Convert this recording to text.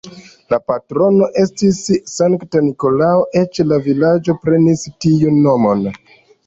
La patrono estis Sankta Nikolao, eĉ la vilaĝo prenis tiun nomon.